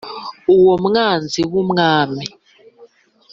uwo mwanzi w’umwami